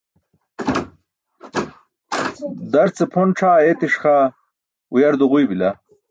Darce pʰon c̣ʰaa ayeetiṣ xaa uyar duġuybila.